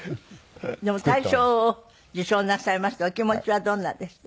でも大賞を受賞なさいましたお気持ちはどんなでした？